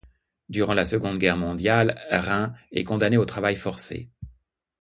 Durant la Seconde Guerre mondiale, Rein est condamné au travail forcé.